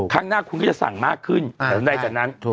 ครั้งหน้าก็จะสั่งมากขึ้นตอนใดจากนั้น